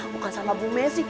bukan sama bu messi